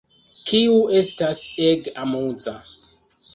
Kiu estas ege amuza